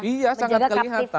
iya sangat kelihatan